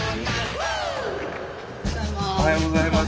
おはようございます。